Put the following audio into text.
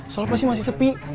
soalnya pasti masih sepi